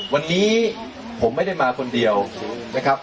วันนี้ผมไม่ได้มาคนเดียวนะครับ